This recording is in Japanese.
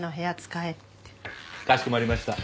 かしこまりました。